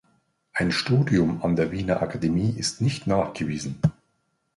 Ein Studium an der Wiener Akademie ist nicht nachgewiesen.